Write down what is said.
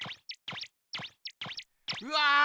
うわ！